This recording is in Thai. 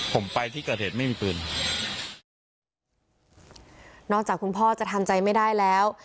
ผมไปที่เกิดเหตุไม่มีปืนนอกจากคุณพ่อจะทำใจไม่ได้แล้ว